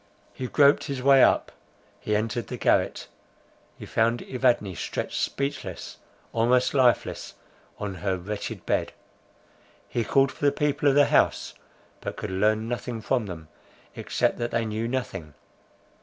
He groped his way up, he entered the garret, he found Evadne stretched speechless, almost lifeless on her wretched bed. He called for the people of the house, but could learn nothing from them, except that they knew nothing.